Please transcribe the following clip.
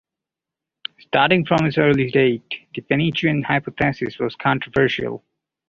Starting from this early date, the Penutian hypothesis was controversial.